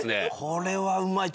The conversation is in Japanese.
これはうまい。